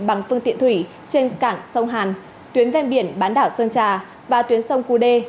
bằng phương tiện thủy trên cảng sông hàn tuyến ven biển bán đảo sơn trà và tuyến sông cú đê